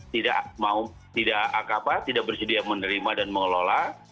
tidak mau tidak akabat tidak bersedia menerima dan mengelola